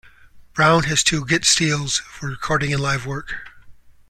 Brown has two guit-steels for recording and live work.